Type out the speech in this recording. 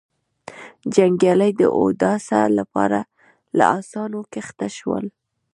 جنګيالي د اوداسه له پاره له آسونو کښته شول.